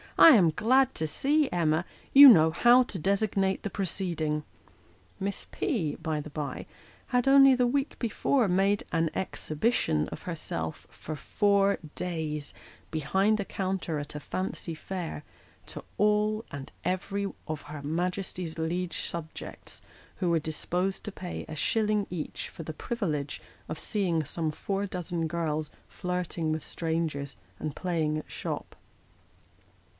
" I am glad to see, Emma, you know how to designate the proceeding." Miss P., by the bye, had only the week before made " an exhibition " of herself for four days, behind a counter at a fancy fair, to all and every of her Majesty's liege Uncle Tom. 321 subjects who wero disposed to pay a shilling each for the privilege of seeing some four dozen girls flirting with strangers, and playing at shop.